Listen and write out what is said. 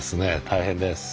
大変です。